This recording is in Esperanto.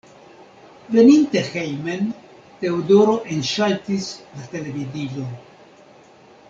Veninte hejmen, Teodoro enŝaltis la televidilon.